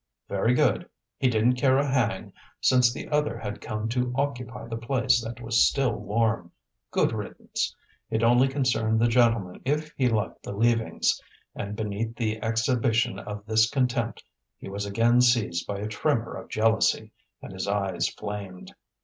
Very good! he didn't care a hang, since the other had come to occupy the place that was still warm; good riddance! It only concerned the gentleman if he liked the leavings; and beneath the exhibition of this contempt he was again seized by a tremor of jealousy, and his eyes flamed.